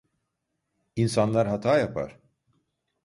İnsanlar hata yapar.